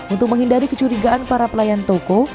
untuk menghindari kecurigaan para pelayan toko